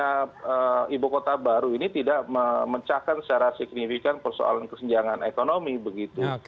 karena ibu kota baru ini tidak memecahkan secara signifikan persoalan kesenjangan ekonomi begitu